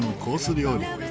料理。